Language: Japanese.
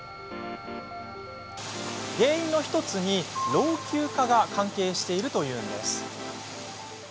原因の１つに、老朽化が関係しているというんです。